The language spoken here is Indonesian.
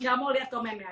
gak mau lihat komennya